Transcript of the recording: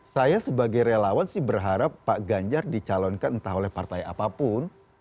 saya sebagai relawan sih berharap pak ganjar dicalonkan entah oleh partai apapun